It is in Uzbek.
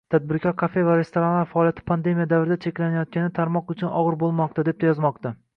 Tadbirkor kafe va restoranlar faoliyati pandemiya davrida cheklanayotgani tarmoq uchun ogʻir boʻlmoqda, deb yozmoqda.